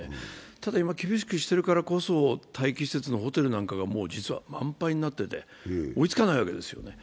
ただ、厳しくしてるからこそ待機施設のホテルなんかが実は満杯になっていて追いつかないわけですよね。